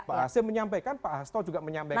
pak hasim menyampaikan pak hasto juga menyampaikan